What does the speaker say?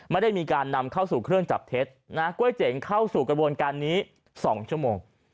ไม่ได้มีการนำเข้าสู่เครื่องจับเท็จนะกล้วยเจ๋งเข้าสู่กระบวนการนี้๒ชั่วโมง